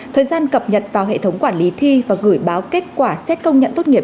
thời gian cập nhật vào hệ thống quản lý thi và gửi báo kết quả xét công nhận tốt nghiệp